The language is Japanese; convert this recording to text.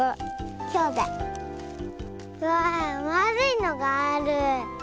わあまあるいのがある。